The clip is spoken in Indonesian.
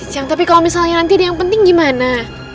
yang tapi kalau misalnya nanti ada yang penting gimana